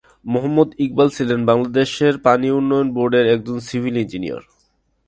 মোহাম্মদ ইকবাল ছিলেন বাংলাদেশের পানি উন্নয়ন বোর্ডের একজন সিভিল ইঞ্জিনিয়ার।